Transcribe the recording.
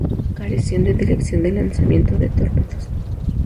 Carecían de dirección de lanzamiento de torpedos.